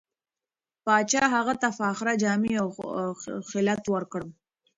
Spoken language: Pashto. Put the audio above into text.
پاچا هغه ته فاخره جامې او خلعت ورکړ.